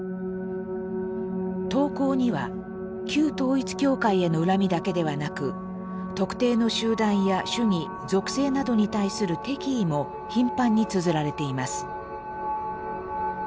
投稿には旧統一教会への恨みだけではなく特定の集団や主義属性などに対する敵意も頻繁につづられています。